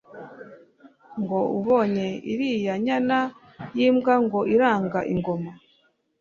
ngo Ubonye iriya nyana y’imbwa ngo iranga ingoma